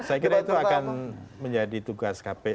saya kira itu akan menjadi tugas kpk